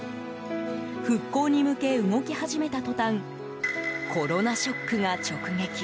復興に向け動き始めた途端コロナショックが直撃。